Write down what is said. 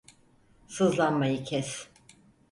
Sızlanmayı kes.